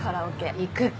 行くか。